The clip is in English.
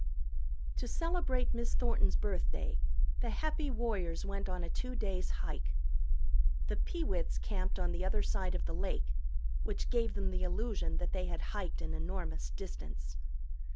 To celebrate Miss Thornton's birthday the Happy Warriors went on a two days' hike. The Peewits camped on the other side of the Lake, which gave them the illusion they had hiked an enormous distance.